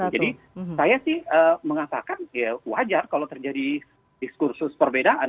jadi saya sih mengatakan wajar kalau terjadi diskursus perbedaan